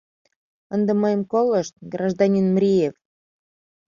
Ынде мыйым колышт, гражданин Мриев!